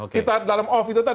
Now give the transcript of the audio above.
kita dalam off itu tadi